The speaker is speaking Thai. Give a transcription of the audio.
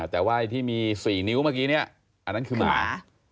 แต่ว่าไอ้ที่มี๔นิ้วเมื่อกี้เนี่ยอันนั้นคือหมา